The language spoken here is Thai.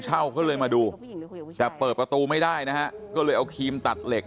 เช่าก็เลยมาดูแต่เปิดประตูไม่ได้นะฮะก็เลยเอาครีมตัดเหล็ก